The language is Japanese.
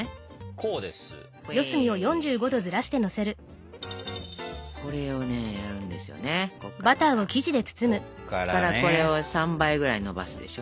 ここからこれを３倍ぐらいにのばすでしょ？